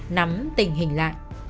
nắm tình hình lại